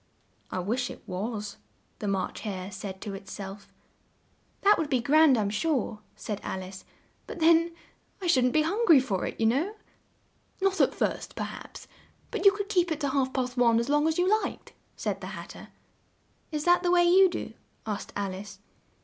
"I wish it was," the March Hare said to it self. "That would be grand, I'm sure," said Al ice: "but then I shouldn't be hun gry for it, you know." "Not at first, per haps, but you could keep it to half past one as long as you liked," said the Hat ter. "Is that the way you do?" asked Al ice.